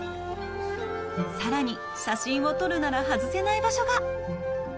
さらに、写真を撮るなら外せない場所が。